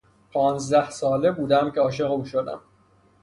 پانزده ساله بودم که عاشق او شدم.